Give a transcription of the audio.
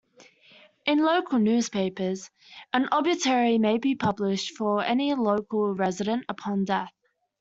In local newspapers, an obituary may be published for any local resident upon death.